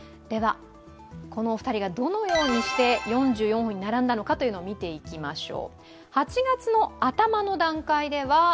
この２人がどのようにして４４本に並んだのかを見ていきましょう。